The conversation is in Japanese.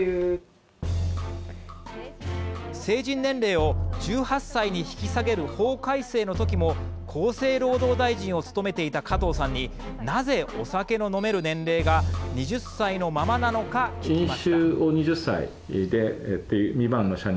成人年齢を１８歳に引き下げる法改正の時も厚生労働大臣を務めていた加藤さんになぜお酒の飲める年齢が２０歳のままなのか聞きました。